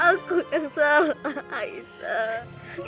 aku yang salah aisyah